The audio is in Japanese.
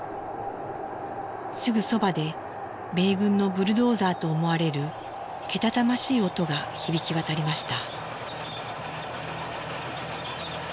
すぐそばで米軍のブルドーザーと思われるけたたましい音が響き渡りました。